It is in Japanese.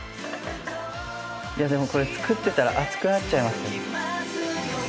いやでもこれ作ってたら熱くなっちゃいます。